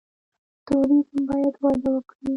توریزم باید وده وکړي